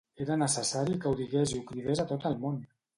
Era necessari que ho digués i ho cridés a tot el món!